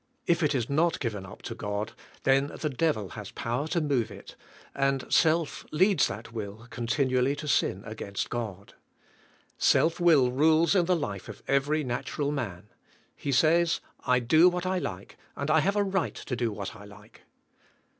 If it is not given up to God then the Devil has power to move it and self leads that will continually to sin against God. Self will rules in the life of every natural man. He says, "I do what I like and I have a right to do what I like."